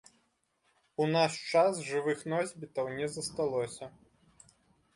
У наш час жывых носьбітаў не засталося.